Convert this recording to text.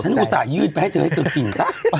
ฉันอุตส่ายยืดไปให้เธอให้เกิดกินซะ